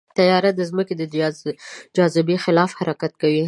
طیاره د ځمکې د جاذبې خلاف حرکت کوي.